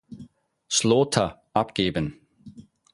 Slaughter abgeben.